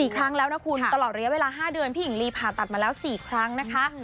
๔ครั้งแล้วนะคุณตลอดระยะเวลา๕เดือนพี่หญิงลีผ่าตัดมาแล้ว๔ครั้งนะคะ